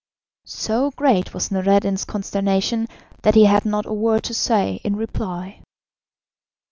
So great was Noureddin's consternation that he had not a word to say in reply.